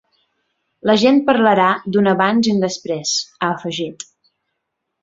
La gent parlarà d’un abans i un després, ha afegit.